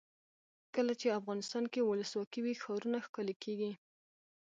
کله چې افغانستان کې ولسواکي وي ښارونه ښکلي کیږي.